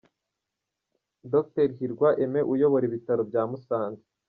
Dr Hirwa Aimé Uyobora ibitaro bya Musanze